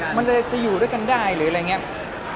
มันจะอยู่ด้วยกันได้หรืออะไรอย่างนี้